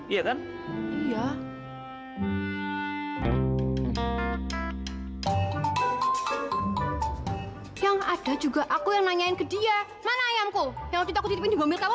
iya kan iya yang ada juga aku yang nanyain ke dia mana ayamku yang kita kutipin ngomel kamu